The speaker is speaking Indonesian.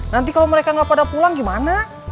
nanti kalau mereka nggak pada pulang gimana